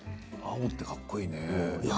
青ってかっこいいね。